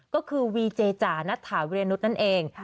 ก็คือวีเจจานัทถาวิรนุษย์นั่นเอง